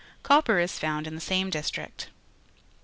Copper is found in the same district.